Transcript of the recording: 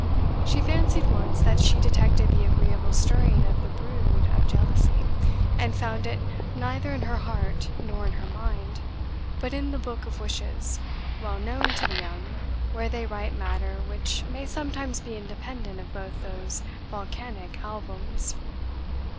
She fancied once that she detected the agreeable stirring of the brood of jealousy, and found it neither in her heart nor in her mind, but in the book of wishes, well known to the young where they write matter which may sometimes be independent of both those volcanic albums.